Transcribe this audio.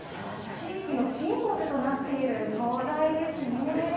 地域のシンボルとなっている灯台ですね。